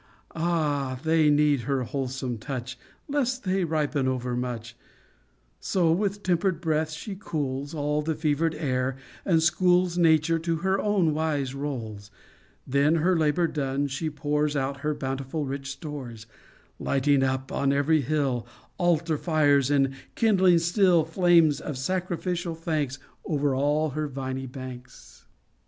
Ah, they need her wholesome touch, Lest they ripen overmuch ; So, with tempered breath, she cools 96 IN AUTUMN All the fevered air, and schools * Nature to her own wise roles ; Then, her labor done, she poors Out her bountiful, rich stores, — Lighting up, on every hill, Altar fires, and kindling still Flames of sacrificial thanks Over all her viny banks.